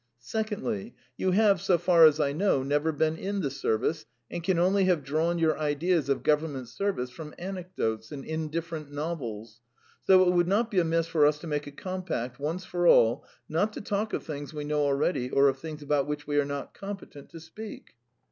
Secondly, you have, so far as I know, never been in the service, and can only have drawn your ideas of Government service from anecdotes and indifferent novels. So it would not be amiss for us to make a compact, once for all, not to talk of things we know already or of things about which we are not competent to speak."